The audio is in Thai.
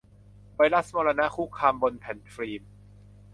ไวรัสมรณะ คุกคามบนแผ่นฟิล์ม